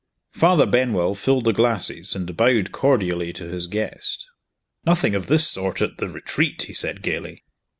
Father Benwell filled the glasses and bowed cordially to his guest. "Nothing of this sort at The Retreat!" he said gayly.